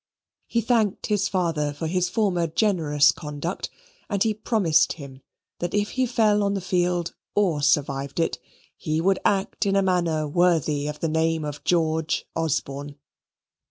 He thanked his father for his former generous conduct; and he promised him that if he fell on the field or survived it, he would act in a manner worthy of the name of George Osborne.